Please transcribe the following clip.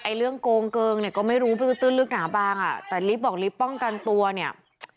เรื่องโกงเกิงเนี่ยก็ไม่รู้มันก็ตื้นลึกหนาบางอ่ะแต่ลิฟต์บอกลิฟต์ป้องกันตัวเนี่ย